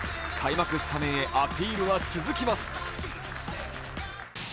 開幕スタメンへアピールは続きます。